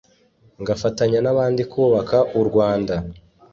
ngafatanya n’abandi kubaka u Rwanda